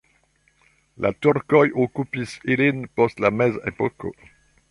La turkoj okupis ilin post la mezepoko.